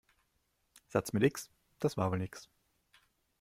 Satz mit X, das war wohl nix.